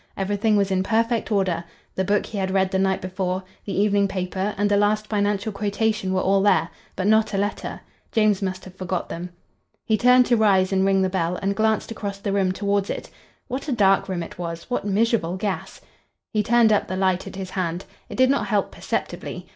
Everything was in perfect order: the book he had read the night before; the evening paper and the last financial quotation were all there; but not a letter. James must have forgot them. He turned to rise and ring the bell and glanced across the room towards it. What a dark room it was! What miserable gas! He turned up the light at his hand. It did not help perceptibly.